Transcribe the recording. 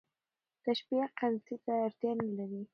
تشبېه قرينې ته اړتیا نه لري.